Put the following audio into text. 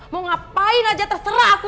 mau ngapain aja terserah aku